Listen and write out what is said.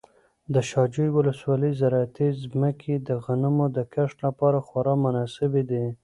د شاجوی ولسوالۍ زراعتي ځمکې د غنمو د کښت لپاره خورا مناسبې دي.